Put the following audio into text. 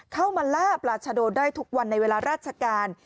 เข้ามาล่าปราชโดได้ทุกวันในเวลาราชการ